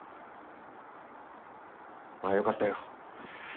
まあよかったよ。